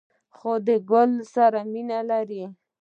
خو که د گل سره مینه لرئ